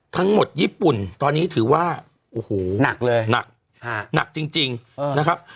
ทั้งหมดญี่ปุ่นตอนนี้ถือว่าหนักเลยหนักหนักจริงนะครับ